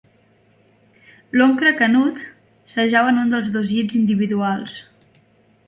L'oncle Canut s'ajau en un dels dos llits individuals.